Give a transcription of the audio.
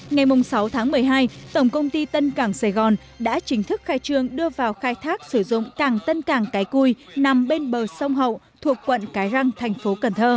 ngày sáu tháng một mươi hai tổng công ty tân cảng sài gòn đã chính thức khai trương đưa vào khai thác sử dụng cảng tân cảng cái cui nằm bên bờ sông hậu thuộc quận cái răng thành phố cần thơ